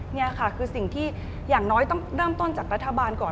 นี่ค่ะคือสิ่งที่อย่างน้อยต้องเริ่มต้นจากรัฐบาลก่อน